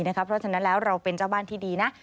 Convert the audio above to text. เพราะฉะนั้นแล้วเราเป็นเจ้าบ้านที่ดีนะ